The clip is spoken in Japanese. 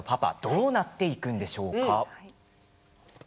どうなっていくんでしょうか。